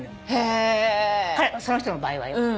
その人の場合はよ。